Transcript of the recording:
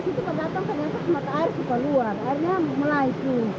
situ kita datang mata air keluar airnya melayu